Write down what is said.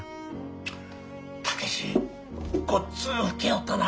武志ごっつ老けよったな。